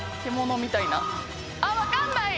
分かんない！